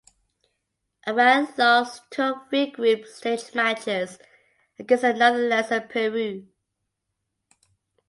Iran lost two of three group stage matches against the Netherlands and Peru.